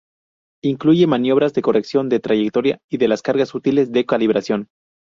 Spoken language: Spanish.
Incluye maniobras de corrección de trayectoria y de las cargas útiles de calibración.